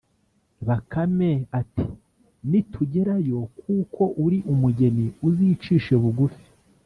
bakame ati: "Nitugera yo, kuko uri umugeni, uzicishe bugufi,